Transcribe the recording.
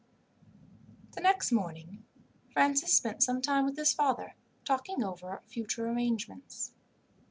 The next morning Francis spent some time with his father talking over future arrangements.